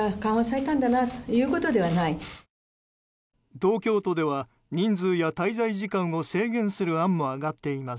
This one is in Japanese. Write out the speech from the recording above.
東京都では人数や滞在時間を制限する案も上がっています。